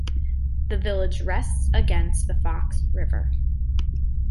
The village rests against the Fox River.